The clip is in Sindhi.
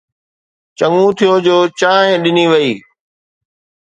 چڱو ٿيو جو چانهه ڏني وئي.